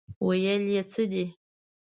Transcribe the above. ویل یې څه دي.